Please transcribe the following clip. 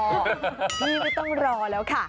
พี่ไม่ต้องรอแล้วค่ะ